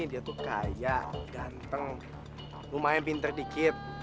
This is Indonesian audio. dia tuh kaya ganteng lumayan pinter dikit